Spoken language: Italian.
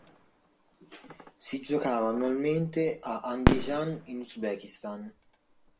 Si giocava annualmente a Andijan in Uzbekistan.